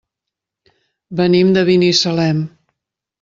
Venim de Binissalem.